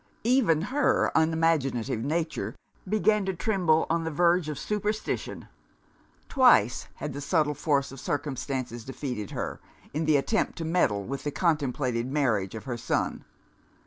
Even her unimaginative nature began to tremble on the verge of superstition. Twice, had the subtle force of circumstances defeated her, in the attempt to meddle with the contemplated marriage of her son.